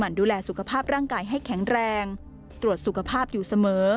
มันดูแลสุขภาพร่างกายให้แข็งแรงตรวจสุขภาพอยู่เสมอ